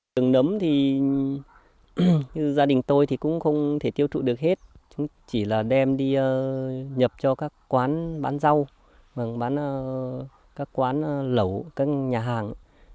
từng nấm thì gia đình tôi cũng không thể tiêu trụ được hết chỉ là đem đi nhập cho các quán bán rau các quán lẩu các nhà hàng